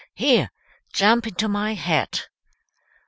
Here, jump into my hat."